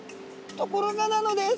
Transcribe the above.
ところがなのです！